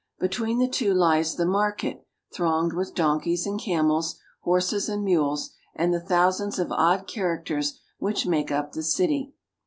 Between the two lies the market, thronged with donkeys and cameis, horses and mules, and the thousands of odd characters which make up the city.